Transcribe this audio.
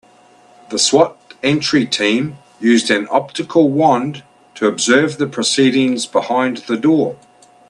The S.W.A.T. entry team used an optical wand to observe the proceedings behind the door.